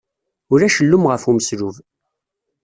Ulac llum ɣef umeslub.